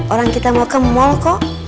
orang kita mau ke mall kok